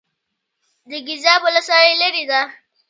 د ګیزاب ولسوالۍ لیرې ده